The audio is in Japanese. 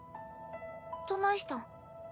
どないしたん？